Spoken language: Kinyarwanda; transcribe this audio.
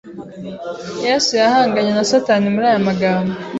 Yesu yahanganye na Satani muri aya magambo